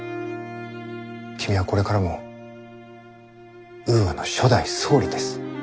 君はこれからもウーアの初代総理です。